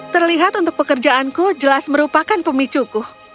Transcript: terlihat untuk pekerjaanku jelas merupakan pemicuku